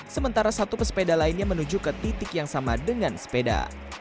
sementara satu pesepeda lainnya menuju ke titik yang sama dengan sepeda